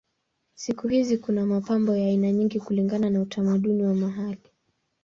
Siku hizi kuna mapambo ya aina nyingi kulingana na utamaduni wa mahali.